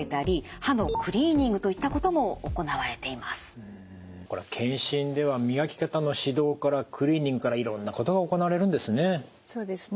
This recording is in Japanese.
更に健診では磨き方の指導からクリーニングからいろんなことが行われるんですね。